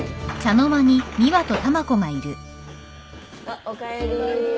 あっおかえり。